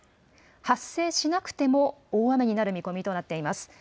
発生しなくても大雨になる見込みとなっています。